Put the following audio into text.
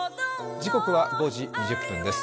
時刻は５時２０分です。